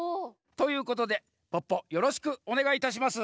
ということでポッポよろしくおねがいいたします。